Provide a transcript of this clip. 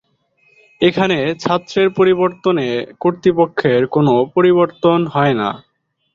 এখানে ছাত্রের পরিবর্তনে কর্তৃপক্ষের কোন পরিবর্তন হয় না।